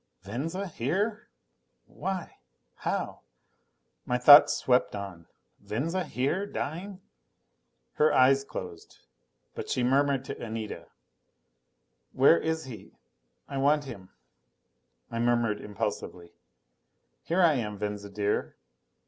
Venza here? Why ... how ... my thoughts swept on. Venza here dying? Her eyes closed. But she murmured to Anita, "Where is he? I want him." I murmured impulsively, "Here I am, Venza dear."